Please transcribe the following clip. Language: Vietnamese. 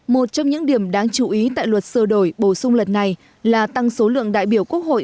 một trong những điểm đáng chú ý tại luật sửa đổi bổ sung luật này là tăng số lượng đại biểu quốc hội